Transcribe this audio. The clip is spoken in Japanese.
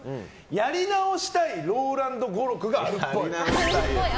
やり直したいＲＯＬＡＮＤ語録があるっぽい。